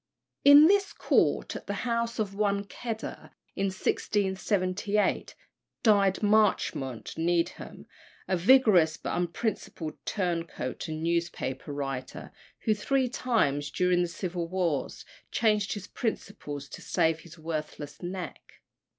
In this court, at the house of one Kedder, in 1678, died Marchmont Needham, a vigorous but unprincipled turncoat and newspaper writer, who three times during the civil wars changed his principles to save his worthless neck.